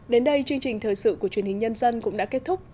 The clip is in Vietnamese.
đến đây chương trình thời sự của truyền hình nhân dân cũng đã kết thúc